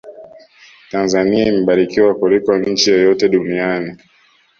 tanzania imebarikiwa kuliko nchi yoyote duniani